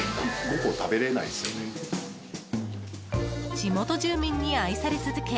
地元住民に愛され続け